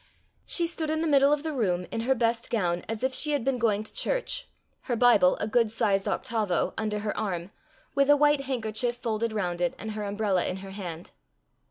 She stood in the middle of the room in her best gown, as if she had been going to church, her Bible, a good sized octavo, under her arm, with a white handkerchief folded round it, and her umbrella in her hand.